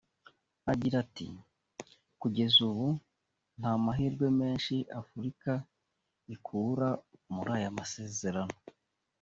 Agira ati”Kugeza ubu nta mahirwe menshi Afurika ikura muri aya masezerano